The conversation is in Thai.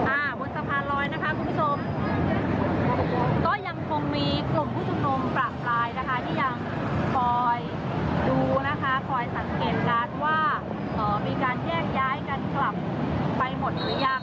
บนสะพานลอยนะคะคุณผู้ชมก็ยังคงมีกลุ่มผู้ชุมนุมประปรายนะคะที่ยังคอยดูนะคะคอยสังเกตการณ์ว่าเอ่อมีการแยกย้ายกันกลับไปหมดหรือยัง